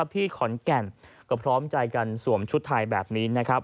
ที่ขอนแก่นก็พร้อมใจกันสวมชุดไทยแบบนี้นะครับ